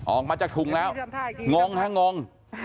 ออกมาจากถุงแล้วงงฮะงง